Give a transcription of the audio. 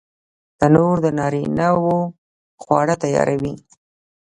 تنور د نارینه وو خواړه تیاروي